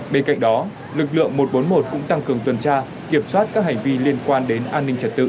bên cạnh đó lực lượng một trăm bốn mươi một cũng tăng cường tuần tra kiểm soát các hành vi liên quan đến an ninh trật tự